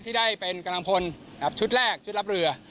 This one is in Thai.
ที่ได้เป็นกำลังพลชุดแรกชุดรับเรือ